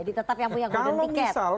oke jadi tetap yang punya golden ticket